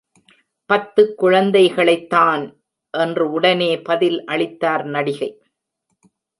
பத்து குழந்தைகளைத்தான்! என்று உடனே பதில் அளித்தார் நடிகை.